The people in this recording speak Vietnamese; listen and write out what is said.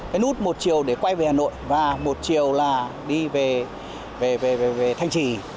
cái nút một chiều để quay về hà nội và một chiều là đi về thanh trì